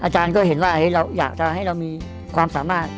อาจารย์ก็เห็นว่าเราอยากจะให้เรามีความสามารถ